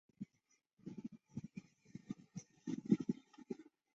我们称这样一个很小的区域为附面层。